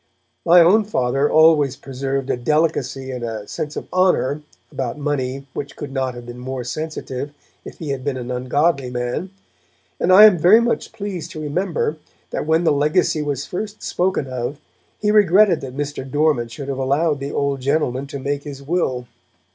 My own Father always preserved a delicacy and a sense of honour about money which could not have been more sensitive if he had been an ungodly man, and I am very much pleased to remember that when the legacy was first spoken of, he regretted that Mr. Dormant should have allowed the old gentleman to make this will.